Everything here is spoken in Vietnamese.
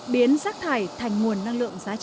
biến rác thải thành nguồn năng lượng giá trị